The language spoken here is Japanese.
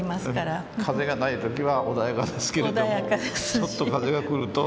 ただ風がない時は穏やかですけれどもちょっと風が来ると。